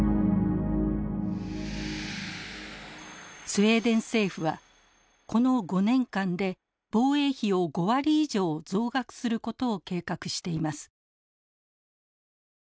スウェーデン政府はこの５年間で防衛費を５割以上増額することを計画しています。